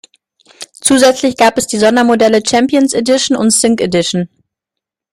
Zusätzlich gab es die Sondermodelle "Champions Edition" und "Sync Edition".